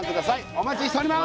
お待ちしております